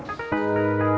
ya gak mungkin lah